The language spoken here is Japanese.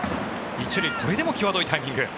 １塁これでも際どいタイミング。